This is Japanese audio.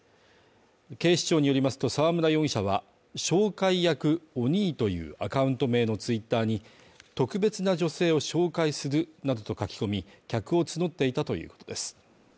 警視庁によりますと沢村容疑者は紹介役おにぃというアカウント名のツイッターに特別な女性を紹介するなどと書き込み、客を募っていたということです。